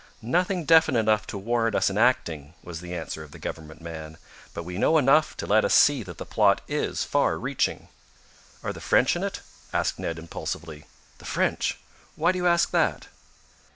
"Nothing definite enough to warrant us in acting," was the answer of the government man. "But we know enough to let us see that the plot is far reaching." "Are the French in it?" asked Ned impulsively. "The French! Why do you ask that?"